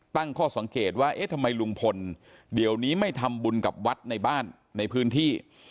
ตั้งข้อสังเกตว่าเอ๊ะทำไมลุงพลเดี๋ยวนี้ไม่ทำบุญกับวัดในบ้านในพื้นที่